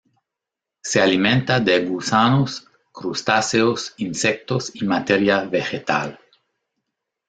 Se alimenta de gusanos, crustáceos, insectos y materia vegetal.